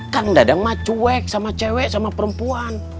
kang dadang macuek sama cewek sama perempuan